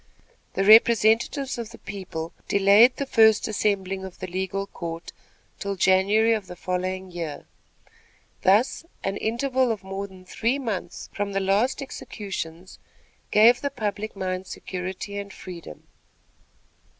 The representatives of the people delayed the first assembling of the legal court till January of the following year. Thus an interval of more than three months from the last executions gave the public mind security and freedom.